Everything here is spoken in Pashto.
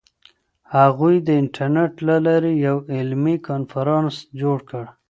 هغوی د انټرنیټ له لارې یو علمي کنفرانس جوړ کړ.